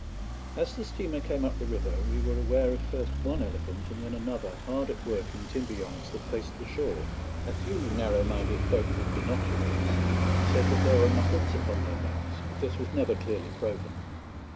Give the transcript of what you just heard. As the steamer came up the river we were aware of first one elephant and then another hard at work in timber yards that faced the shore. A few narrow minded folk with binoculars said that there were mahouts upon their backs, but this was never clearly proven.